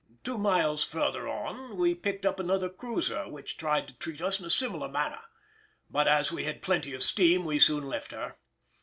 Two miles farther on we picked up another cruiser, which tried to treat us in a similar manner, but as we had plenty of steam we soon left her.